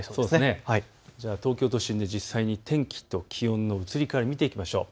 東京都心、天気と気温の移り変わり、見ていきましょう。